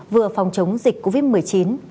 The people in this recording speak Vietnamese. vừa phòng chống dịch covid một mươi chín